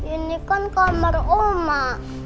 ini kan kamar oma